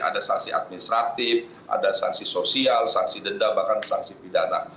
ada sanksi administratif ada sanksi sosial sanksi denda bahkan sanksi pidana